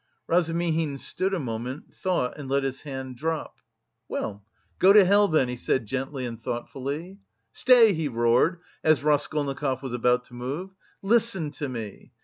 Razumihin stood a moment, thought and let his hand drop. "Well, go to hell then," he said gently and thoughtfully. "Stay," he roared, as Raskolnikov was about to move. "Listen to me.